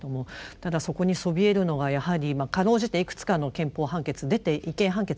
ただそこにそびえるのがやはりかろうじていくつかの憲法判決違憲判決が出ているもののですね